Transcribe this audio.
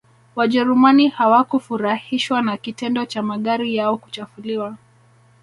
wajerumani hawakufurahishwa na kitendo cha magari yao kuchafuliwa